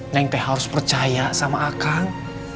neng teh harus percaya sama akang